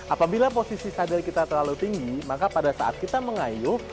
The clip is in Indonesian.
apabila posisi sadar kita terlalu tinggi maka pada saat kita mengayuh